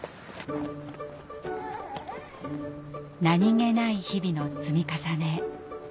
何気ない日々の積み重ね。